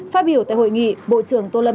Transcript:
phát biểu tại hội nghị bộ trưởng tô lâm